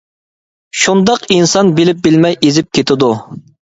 شۇنداق ئىنسان بىلىپ بىلمەي ئېزىپ كېتىدۇ.